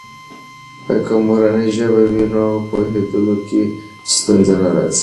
که مورنۍ ژبه وي، نو پوهیدلو کې ستونزې نه راځي.